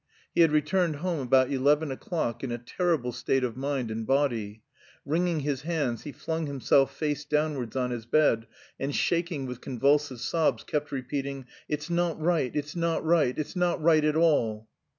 He had returned home about eleven o'clock in a terrible state of mind and body; wringing his hands, he flung himself face downwards on his bed and shaking with convulsive sobs kept repeating, "It's not right, it's not right, it's not right at all!"